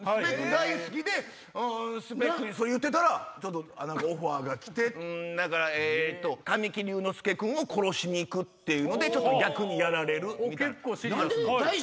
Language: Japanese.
大好きでそれ言ってたらちょっとオファーが来て何かえと神木隆之介君を殺しに行くっていうので逆にやられるみたいな。